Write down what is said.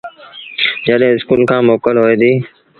جڏهيݩ اسڪُول کآݩ موڪل هوئي ديٚ